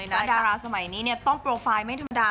ดาราสมัยนี้ต้องโปรไฟล์ไม่ธรรมดา